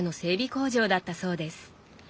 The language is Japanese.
工場だったそうです。